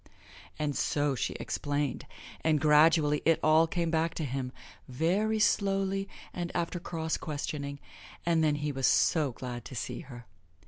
And so she explained, and gradually it all came back to him very slowly and after cross questioning and then he was so glad to see her.